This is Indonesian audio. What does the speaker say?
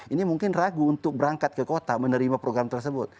ini mungkin ragu untuk berangkat ke kota menerima program tersebut